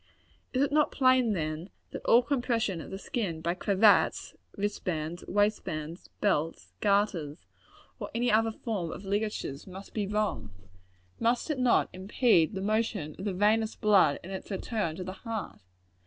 Is it not plain, then, that all compression of the skin by cravats, wristbands, waistbands, belts, garters, or any other form of ligatures, must be wrong! Must it not impede the motion of the venous blood in its return to the heart?